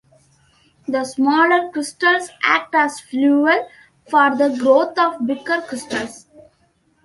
The smaller crystals act as fuel for the growth of bigger crystals.